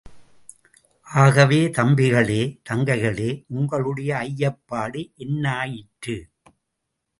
ஆகவே, தம்பிகளே, தங்கைகளே, உங்களுடைய ஐயப்பாடு என்னாயிற்று?